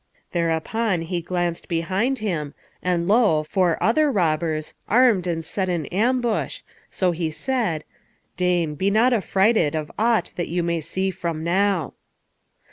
Thereupon he glanced behind him, and, lo, four other robbers, armed and set in ambush, so he said, "Dame, be not affrighted of aught that you may see from now."